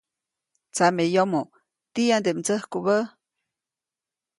Tsameyomoʼ ¿tiyande mdsäjkubä?